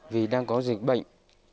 vì đang có dịch bệnh